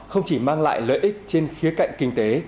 không chỉ mang lại lợi ích trên khía cạnh kinh tế